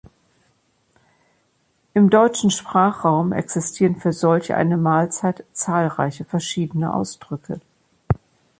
Im deutschen Sprachraum existieren für solch eine Mahlzeit zahlreiche verschiedene Ausdrücke.